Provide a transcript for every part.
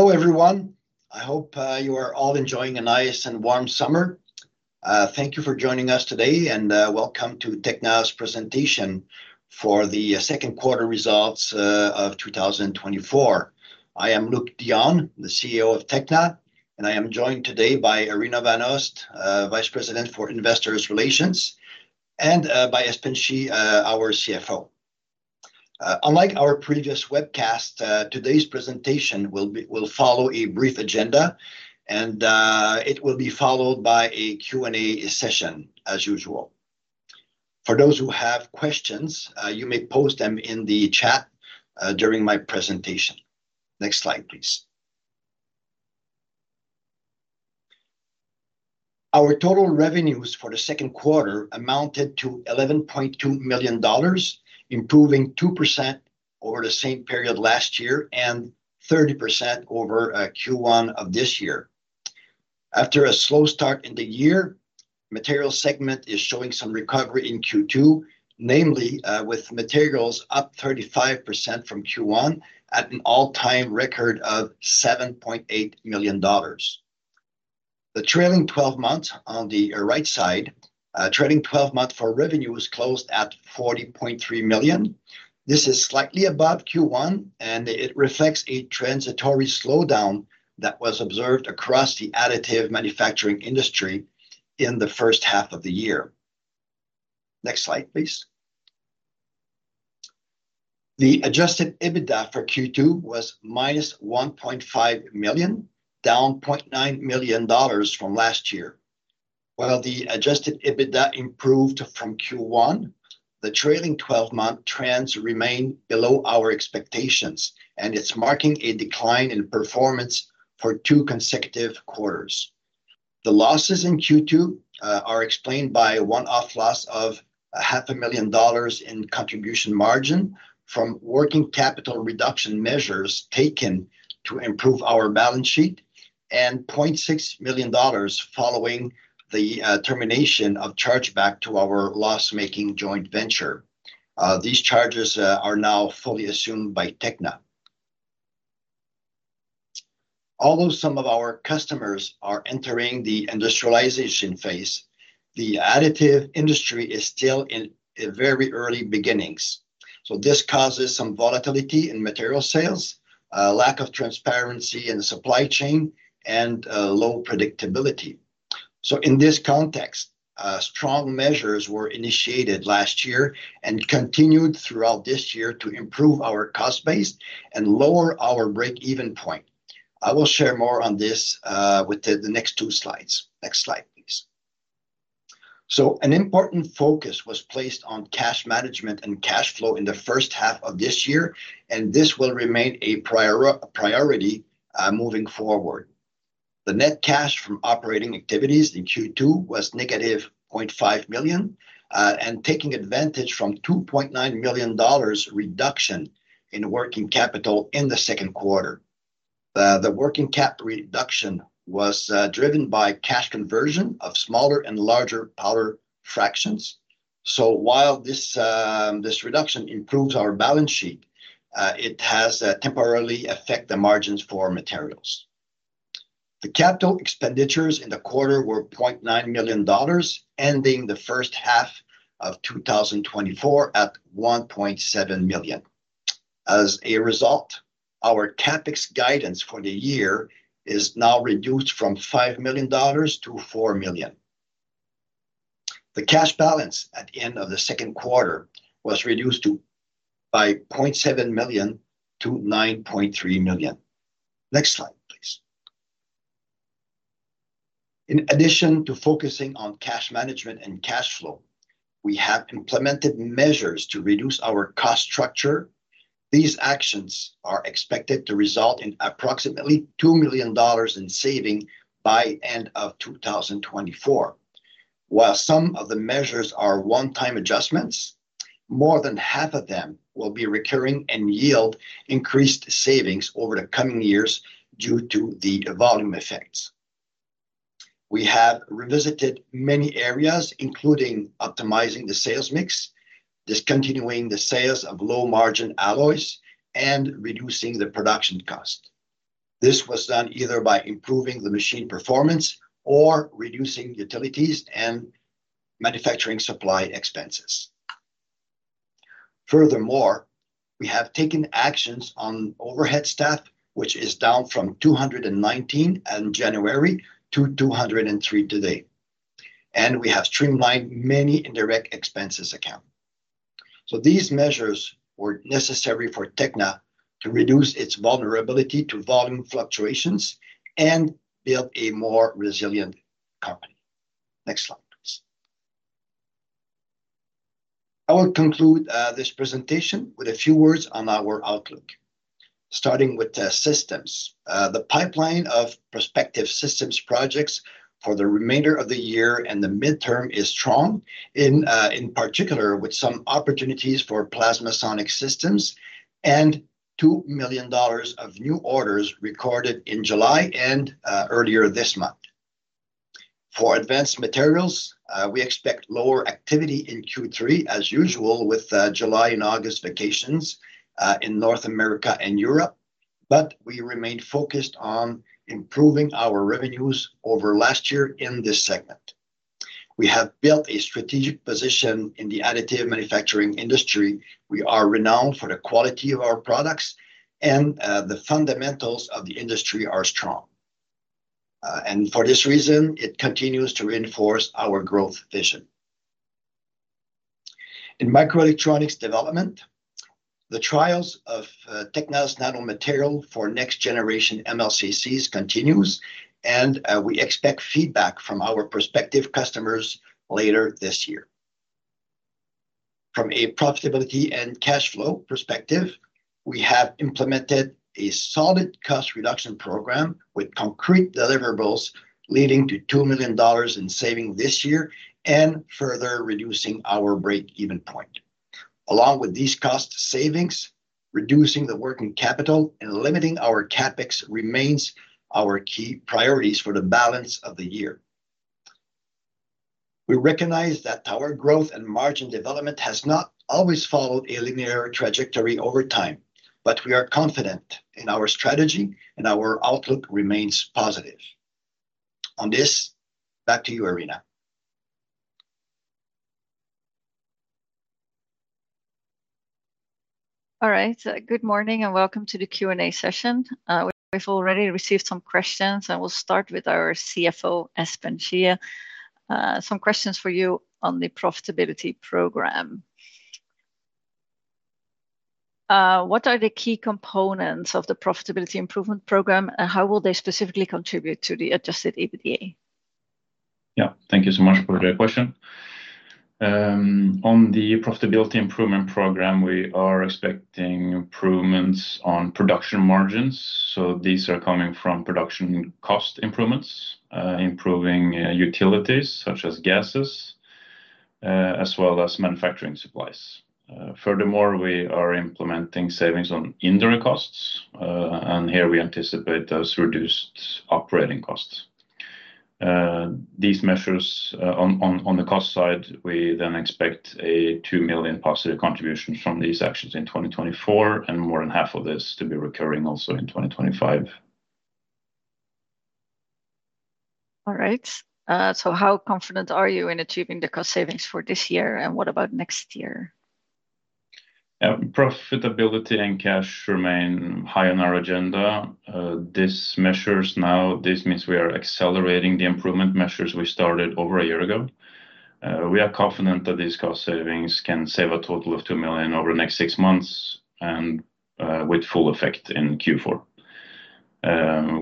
Hello everyone, I hope you are all enjoying a nice and warm summer. Thank you for joining us today, and welcome to Tekna's presentation for the second quarter results of two thousand and twenty-four. I am Luc Dion, the CEO of Tekna, and I am joined today by Arina van Oost, Vice President for Investor Relations, and by Espen Schie, our CFO. Unlike our previous webcast, today's presentation will follow a brief agenda, and it will be followed by a Q&A session, as usual. For those who have questions, you may post them in the chat during my presentation. Next slide, please. Our total revenues for the second quarter amounted to 11.2 million dollars, improving 2% over the same period last year, and 30% over Q1 of this year. After a slow start in the year, material segment is showing some recovery in Q2, namely, with materials up 35% from Q1, at an all-time record of 7.8 million dollars. The trailing twelve months on the right side, trailing twelve month for revenue is closed at 40.3 million. This is slightly above Q1, and it reflects a transitory slowdown that was observed across the additive manufacturing industry in the first half of the year. Next slide, please. The Adjusted EBITDA for Q2 was -1.5 million, down 0.9 million dollars from last year. While the Adjusted EBITDA improved from Q1, the trailing twelve-month trends remain below our expectations, and it's marking a decline in performance for two consecutive quarters. The losses in Q2 are explained by a one-off loss of 500,000 dollars in contribution margin from working capital reduction measures taken to improve our balance sheet, and 600,000 dollars following the termination of chargeback to our loss-making joint venture. These charges are now fully assumed by Tekna. Although some of our customers are entering the industrialization phase, the additive industry is still in a very early beginnings. So this causes some volatility in material sales, lack of transparency in the supply chain, and low predictability. So in this context, strong measures were initiated last year and continued throughout this year to improve our cost base and lower our break-even point. I will share more on this with the next two slides. Next slide, please. An important focus was placed on cash management and cash flow in the first half of this year, and this will remain a priority moving forward. The net cash from operating activities in Q2 was negative 0.5 million, and taking advantage from 2.9 million dollars reduction in working capital in the second quarter. The working cap reduction was driven by cash conversion of smaller and larger powder fractions. While this reduction improves our balance sheet, it has temporarily affect the margins for materials. The capital expenditures in the quarter were 0.9 million dollars, ending the first half of 2024 at 1.7 million. As a result, our CapEx guidance for the year is now reduced from 5 million dollars to 4 million. The cash balance at the end of the second quarter was reduced by 0.7 million to 9.3 million. Next slide, please. In addition to focusing on cash management and cash flow, we have implemented measures to reduce our cost structure. These actions are expected to result in approximately 2 million dollars in savings by end of 2024. While some of the measures are one-time adjustments, more than half of them will be recurring and yield increased savings over the coming years due to the volume effects. We have revisited many areas, including optimizing the sales mix, discontinuing the sales of low-margin alloys, and reducing the production cost. This was done either by improving the machine performance or reducing utilities and manufacturing supply expenses. Furthermore, we have taken actions on overhead staff, which is down from 219 in January to 203 today, and we have streamlined many indirect expenses account. So these measures were necessary for Tekna to reduce its vulnerability to volume fluctuations and build a more resilient company. Next slide, please. I will conclude this presentation with a few words on our outlook. Starting with the systems. The pipeline of prospective systems projects for the remainder of the year and the midterm is strong, in particular, with some opportunities for PlasmaSonic systems, and 2 million dollars of new orders recorded in July and earlier this month... For advanced materials, we expect lower activity in Q3 as usual, with July and August vacations in North America and Europe. But we remain focused on improving our revenues over last year in this segment. We have built a strategic position in the additive manufacturing industry. We are renowned for the quality of our products, and, the fundamentals of the industry are strong. And for this reason, it continues to reinforce our growth vision. In microelectronics development, the trials of Tekna's nanomaterial for next generation MLCCs continues, and we expect feedback from our prospective customers later this year. From a profitability and cash flow perspective, we have implemented a solid cost reduction program with concrete deliverables, leading to 2 million dollars in savings this year, and further reducing our break-even point. Along with these cost savings, reducing the working capital and limiting our CapEx remains our key priorities for the balance of the year. We recognize that our growth and margin development has not always followed a linear trajectory over time, but we are confident in our strategy, and our outlook remains positive. On this, back to you, Arina. All right. Good morning, and welcome to the Q&A session. We've already received some questions, and we'll start with our CFO, Espen Schie. Some questions for you on the profitability program. What are the key components of the profitability improvement program, and how will they specifically contribute to the Adjusted EBITDA? Yeah. Thank you so much for the question. On the profitability improvement program, we are expecting improvements on production margins, so these are coming from production cost improvements, improving utilities such as gases, as well as manufacturing supplies. Furthermore, we are implementing savings on indirect costs, and here we anticipate those reduced operating costs. These measures, on the cost side, we then expect a 2 million positive contribution from these actions in 2024, and more than half of this to be recurring also in 2025. All right. So how confident are you in achieving the cost savings for this year, and what about next year? Yeah, profitability and cash remain high on our agenda. This means we are accelerating the improvement measures we started over a year ago. We are confident that these cost savings can save a total of 2 million over the next six months, and with full effect in Q4.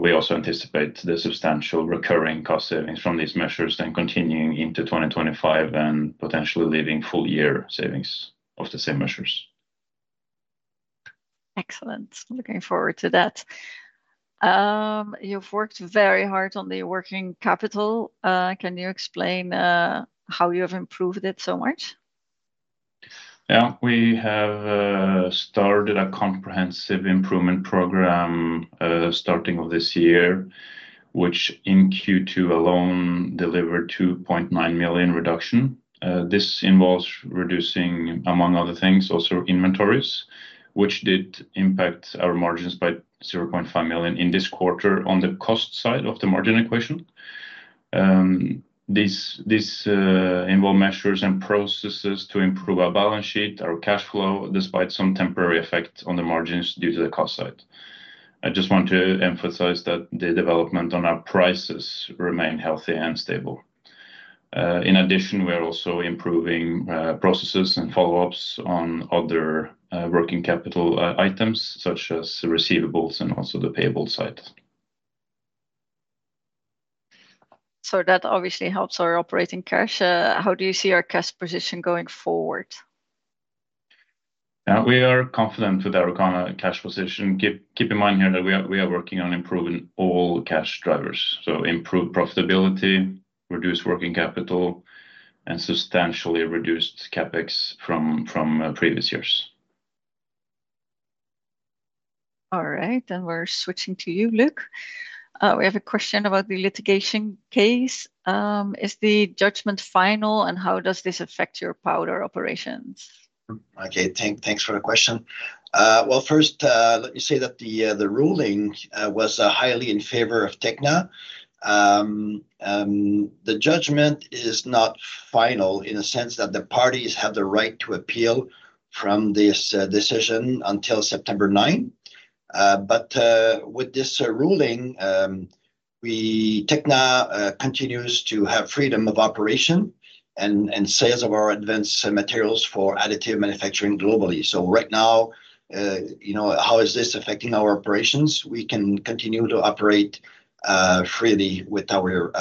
We also anticipate the substantial recurring cost savings from these measures, then continuing into 2025 and potentially leaving full-year savings of the same measures. Excellent! Looking forward to that. You've worked very hard on the working capital. Can you explain how you have improved it so much? Yeah. We have started a comprehensive improvement program, starting of this year, which in Q2 alone, delivered 2.9 million reduction. This involves reducing, among other things, also inventories, which did impact our margins by 0.5 million in this quarter on the cost side of the margin equation. This involve measures and processes to improve our balance sheet, our cash flow, despite some temporary effect on the margins due to the cost side. I just want to emphasize that the development on our prices remain healthy and stable. In addition, we are also improving processes and follow-ups on other working capital items, such as the receivables and also the payable side. That obviously helps our operating cash. How do you see our cash position going forward? Yeah, we are confident with our current cash position. Keep in mind here that we are working on improving all cash drivers, so improve profitability, reduce working capital, and substantially reduced CapEx from previous years. All right, then we're switching to you, Luc. We have a question about the litigation case. Is the judgment final, and how does this affect your powder operations? Okay, thanks for the question. Well, first, let me say that the ruling was highly in favor of Tekna. The judgment is not final in the sense that the parties have the right to appeal from this decision until September nine. But with this ruling, Tekna continues to have freedom of operation and sales of our advanced materials for additive manufacturing globally. So right now, you know, how is this affecting our operations? We can continue to operate freely with our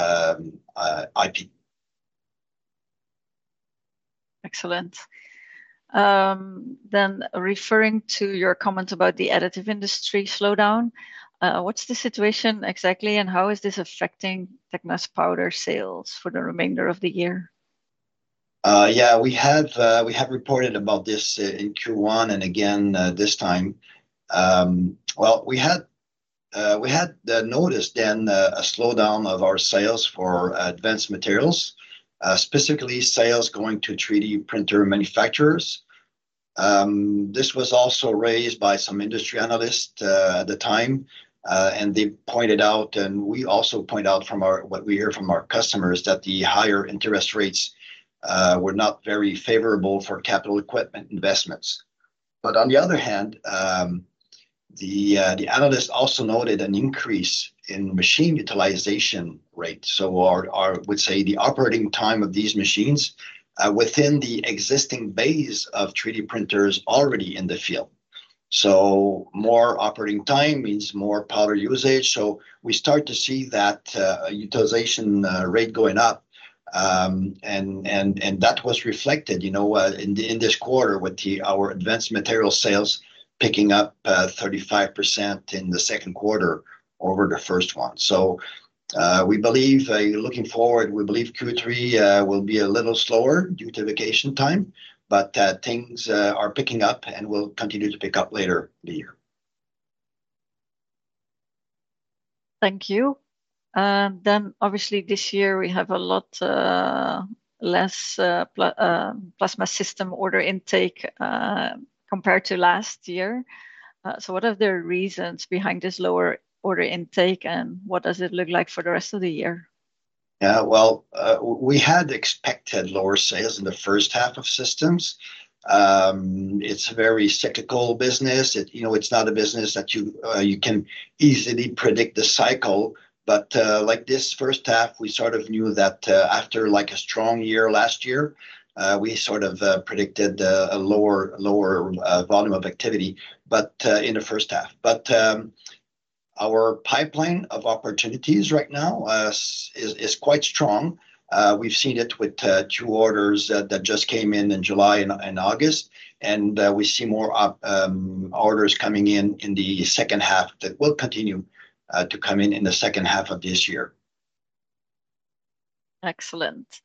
IP. Excellent. Then referring to your comments about the additive industry slowdown, what's the situation exactly, and how is this affecting Tekna's powder sales for the remainder of the year? Yeah, we have reported about this in Q1 and again this time. Well, we had noticed then a slowdown of our sales for advanced materials, specifically sales going to 3D printer manufacturers. This was also raised by some industry analysts at the time, and they pointed out, and we also point out from what we hear from our customers, that the higher interest rates were not very favorable for capital equipment investments. But on the other hand, the analyst also noted an increase in machine utilization rate, so we'd say, the operating time of these machines within the existing base of 3D printers already in the field. More operating time means more power usage, so we start to see that utilization rate going up. That was reflected, you know, in this quarter with our advanced material sales picking up 35% in the second quarter over the first one. We believe looking forward Q3 will be a little slower due to vacation time, but things are picking up and will continue to pick up later in the year. Thank you. And then, obviously, this year we have a lot less plasma system order intake compared to last year. So what are the reasons behind this lower order intake, and what does it look like for the rest of the year? Yeah, well, we had expected lower sales in the first half of systems. It's a very cyclical business. It, you know, it's not a business that you can easily predict the cycle, but like this first half, we sort of knew that after like a strong year last year, we sort of predicted a lower volume of activity, but in the first half. But our pipeline of opportunities right now is quite strong. We've seen it with two orders that just came in in July and August, and we see more orders coming in in the second half that will continue to come in in the second half of this year. Excellent.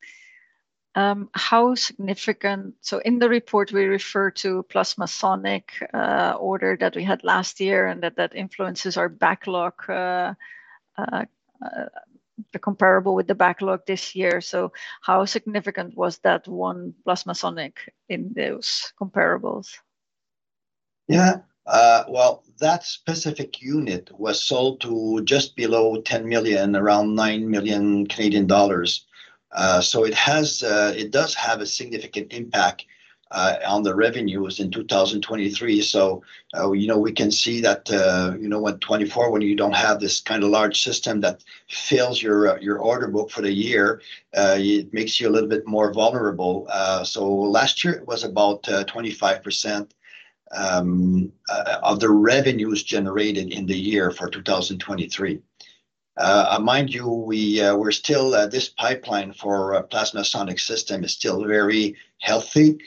How significant... So in the report, we refer to PlasmaSonic order that we had last year, and that influences our backlog, the comparable with the backlog this year. So how significant was that one PlasmaSonic in those comparables? Yeah. Well, that specific unit was sold to just below 10 million, around 9 million Canadian dollars. So it has, it does have a significant impact, on the revenues in 2023. So, you know, we can see that, you know, when 2024, when you don't have this kind of large system that fills your, your order book for the year, it makes you a little bit more vulnerable. So last year it was about, 25%, of the revenues generated in the year for 2023. Mind you, we, we're still, this pipeline for PlasmaSonic system is still very healthy.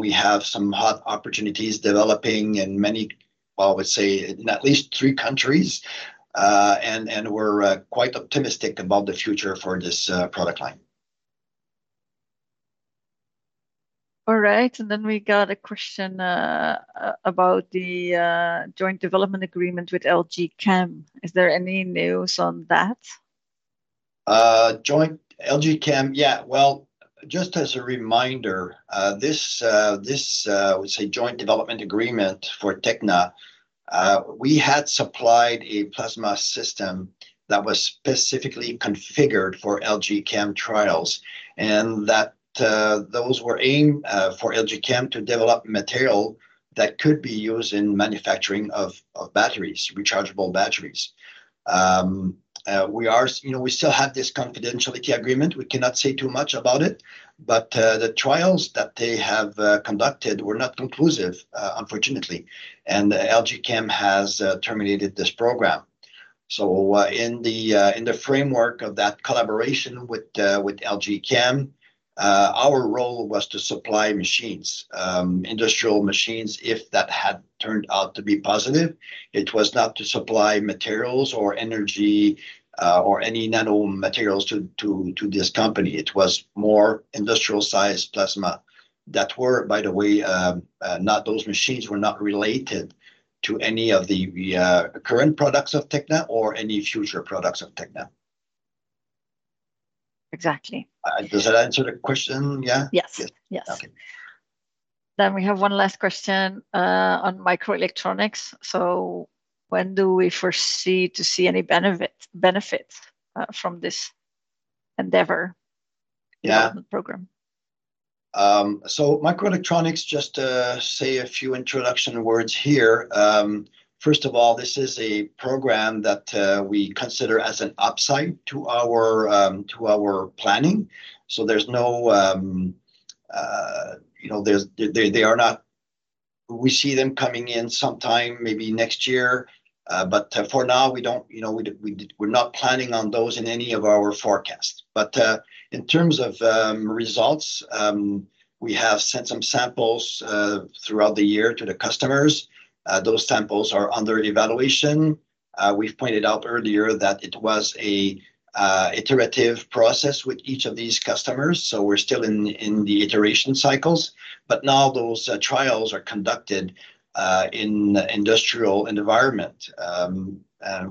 We have some hot opportunities developing in many, well, I would say in at least three countries. And, and we're, quite optimistic about the future for this, product line. All right, and then we got a question about the joint development agreement with LG Chem. Is there any news on that? Joint LG Chem, yeah. Well, just as a reminder, this, this, I would say, joint development agreement for Tekna, we had supplied a plasma system that was specifically configured for LG Chem trials, and that, those were aimed, for LG Chem to develop material that could be used in manufacturing of, of batteries, rechargeable batteries. We are, you know, we still have this confidentiality agreement. We cannot say too much about it, but, the trials that they have, conducted were not conclusive, unfortunately, and LG Chem has, terminated this program. So, in the, in the framework of that collaboration with, with LG Chem, our role was to supply machines, industrial machines, if that had turned out to be positive. It was not to supply materials or energy, or any nanomaterials to this company. It was more industrial-sized plasma that were, by the way, not those machines were not related to any of the current products of Tekna or any future products of Tekna. Exactly. Does that answer the question, yeah? Yes. Yeah. Yes. Okay. Then we have one last question on microelectronics. So when do we foresee to see any benefit from this endeavor- Yeah... development program? So microelectronics, just to say a few introduction words here. First of all, this is a program that we consider as an upside to our planning. So there's no you know, they are not. We see them coming in sometime, maybe next year, but for now, we don't, you know, we're not planning on those in any of our forecasts. But in terms of results, we have sent some samples throughout the year to the customers. Those samples are under evaluation. We've pointed out earlier that it was a iterative process with each of these customers, so we're still in the iteration cycles, but now those trials are conducted in industrial environment.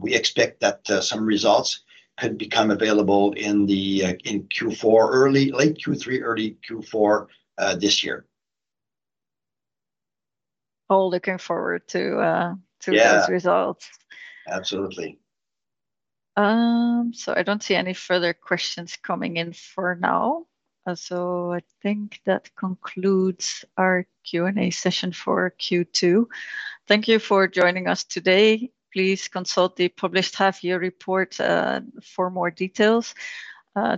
We expect that some results could become available in late Q3, early Q4 this year. All looking forward to Yeah... those results. Absolutely. So I don't see any further questions coming in for now. So I think that concludes our Q&A session for Q2. Thank you for joining us today. Please consult the published half-year report for more details.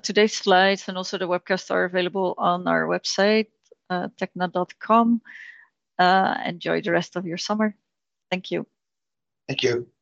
Today's slides and also the webcast are available on our website, www.tekna.com. Enjoy the rest of your summer. Thank you. Thank you.